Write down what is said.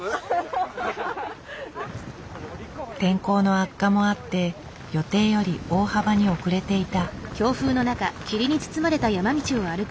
天候の悪化もあって予定より大幅に遅れていた。